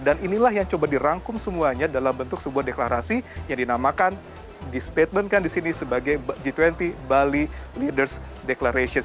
dan inilah yang coba dirangkum semuanya dalam bentuk sebuah deklarasi yang dinamakan dispetmenkan di sini sebagai g dua puluh bali leaders declaration